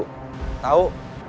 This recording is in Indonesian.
saya tidak tahu